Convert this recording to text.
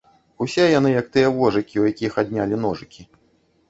Усе яны, як тыя вожыкі, у якіх аднялі ножыкі.